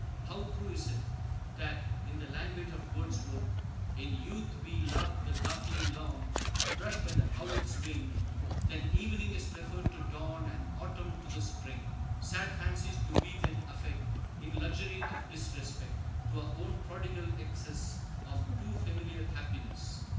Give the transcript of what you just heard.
How true is it, that, in the language of Wordsworth, "In youth we love the darkling lawn, Brushed by the owlet's wing; Then evening is preferred to dawn, And autumn to the spring. Sad fancies do we then affect, In luxury of disrespect To our own prodigal excess Of too familiar happiness."